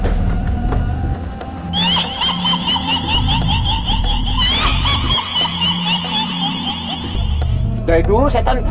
korbannya meredekin which pisau